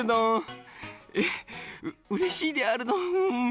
えっうれしいであるドン。